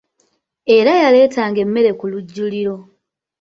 Era y'aleetanga emmere ku lujjuliro.